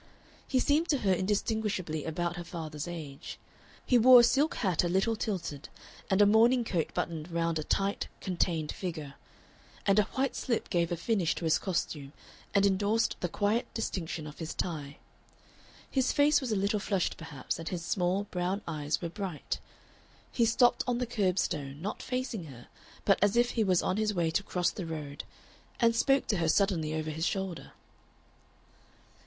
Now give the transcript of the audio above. He seemed to her indistinguishably about her father's age. He wore a silk hat a little tilted, and a morning coat buttoned round a tight, contained figure; and a white slip gave a finish to his costume and endorsed the quiet distinction of his tie. His face was a little flushed perhaps, and his small, brown eyes were bright. He stopped on the curb stone, not facing her but as if he was on his way to cross the road, and spoke to her suddenly over his shoulder.